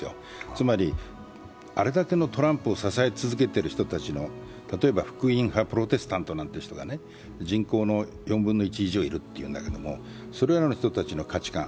つまり、あれだけのトランプを支え続けている人の、例えば福音派プロテスタントの人たちが人口の４分の１以上いるという中でのそれらの人たちの価値観。